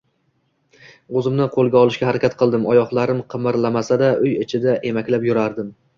O`zimni qo`lga olishga harakat qildim, oyoqlarim qimirlamasa-da uy ichida emaklab yurardim